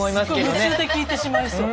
夢中で聞いてしまいそう。